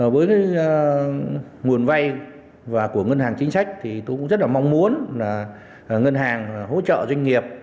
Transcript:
với nguồn vay của ngân hàng chính sách tôi cũng rất mong muốn ngân hàng hỗ trợ doanh nghiệp